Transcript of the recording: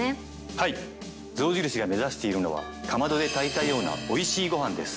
はい象印が目指しているのはかまどで炊いたようなおいしいごはんです。